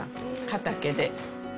畑で。